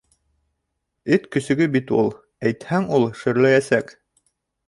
Эт көсөгө бит ул. Әйтһәң, ул шөрләйәсәк.